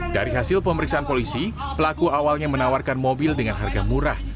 dari hasil pemeriksaan polisi pelaku awalnya menawarkan mobil dengan harga murah